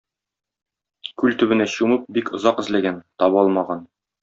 Күл төбенә чумып бик озак эзләгән, таба алмаган.